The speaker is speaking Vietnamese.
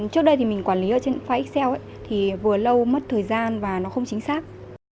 trước đây thì mình quản lý ở trên file xel thì vừa lâu mất thời gian và nó không chính xác